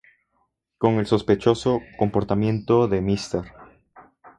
Con el sospechoso comportamiento de Mr.